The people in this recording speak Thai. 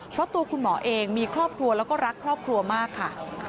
เพราะตัวคุณหมอเองมีครอบครัวแล้วก็รักครอบครัวมากค่ะ